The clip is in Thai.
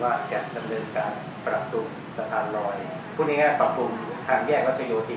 มันจะมีผลกระทบกับโครงการต่างซึ่งในกรณีนี้ก็คือสถานองค์ทางแยกรัชโยธิน